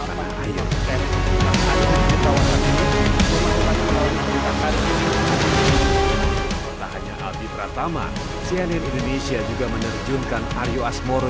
tak hanya albi pratama cnn indonesia juga menerjunkan aryo asmoro